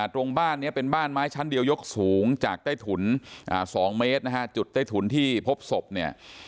ตรงบ้านนี้เป็นบ้านไม้ชั้นเดียวยกสูงจากใต้ถุน๒เมตรนะฮะจุดใต้ถุนที่พบศพเนี่ย